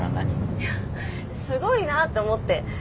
いやすごいなと思って。